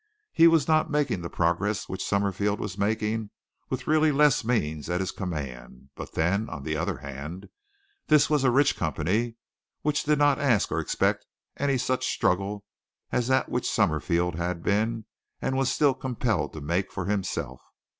He was not making the progress which Summerfield was making with really less means at his command, but then, on the other hand, this was a rich company which did not ask or expect any such struggle as that which Summerfield had been and was still compelled to make for himself.